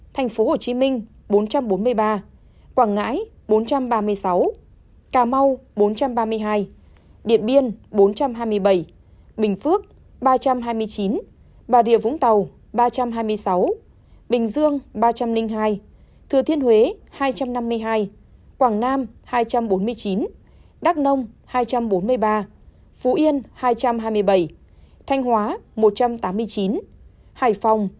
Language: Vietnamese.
thành phố hồ chí minh bốn trăm bốn mươi ba quảng ngãi bốn trăm ba mươi sáu cà mau bốn trăm ba mươi hai điện biên bốn trăm hai mươi bảy bình phước ba trăm hai mươi chín bà địa vũng tàu ba trăm hai mươi sáu bình dương ba trăm linh hai thừa thiên huế hai trăm năm mươi hai quảng nam hai trăm bốn mươi chín đắk nông hai trăm bốn mươi ba phú yên hai trăm hai mươi bảy thanh hóa một trăm tám mươi chín hải phòng một trăm bảy mươi bảy